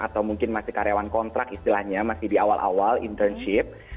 atau mungkin masih karyawan kontrak istilahnya masih di awal awal internship